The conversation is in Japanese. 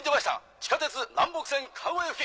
地下鉄南北線川越付近。